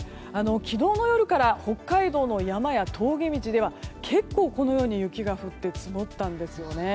昨日の夜から北海道の山や峠道では結構このように雪が降って積もったんですよね。